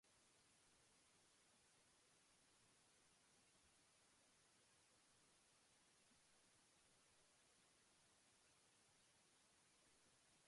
Compraron principalmente comida, combustible, cigarrillos, zapatos, mobiliario, piezas de automóvil y generadores.